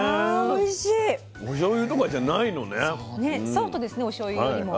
ソフトですねおしょうゆよりも。